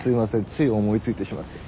つい思いついてしまって。